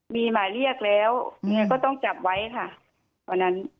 มีหมายเรียกแล้วก็ต้องจับไว้ค่ะวันนั้น